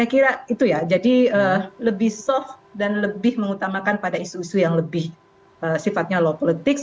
saya kira itu ya jadi lebih soft dan lebih mengutamakan pada isu isu yang lebih sifatnya low politics